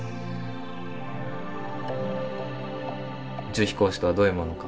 宇宙飛行士とはどういうものか。